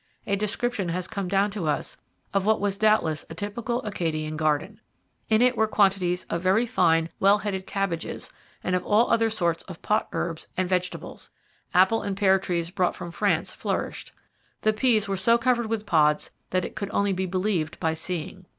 A description has come down to us of what was doubtless a typical Acadian garden. In it were quantities of 'very fine well headed cabbages and of all other sorts of pot herbs and vegetables.' Apple and pear trees brought from France flourished. The peas were 'so covered with pods that it could only be believed by seeing.'